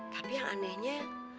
tapi yang anehnya